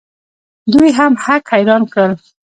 دوی هم هک حیران کړل.